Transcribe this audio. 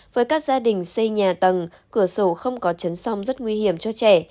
với các gia đình xây nhà tầng cửa sổ không có chấn song rất nguy hiểm cho trẻ